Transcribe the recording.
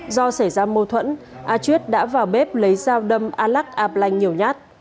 do xảy ra mâu thuẫn a chuyết đã vào bếp lấy dao đâm a lắc ạp lành nhiều nhát